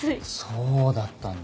そうだったんだ。